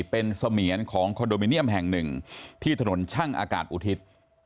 เป็นเสมียนของคอนโดมิเนียมแห่งหนึ่งที่ถนนช่างอากาศอุทิศ